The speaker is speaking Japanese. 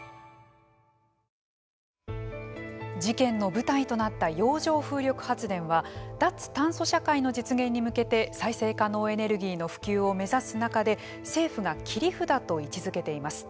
事件の舞台となった洋上風力発電は脱炭素社会の実現に向けて再生可能エネルギーの普及を目指す中で政府が切り札と位置づけています。